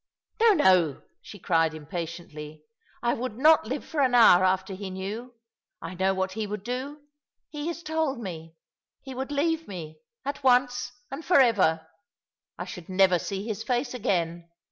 " No, no," she cried impatiently. " I would not live for an hour after he knew. I know what he would do. He has told me. He would leave me— at once, and for ever. I should never see his face again.